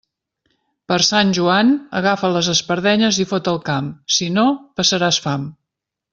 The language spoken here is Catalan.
Per Sant Joan, agafa les espardenyes i fot el camp, si no, passaràs fam.